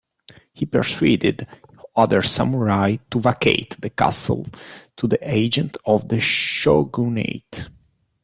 He persuaded other samurai to vacate the castle to the agents of the Shogunate.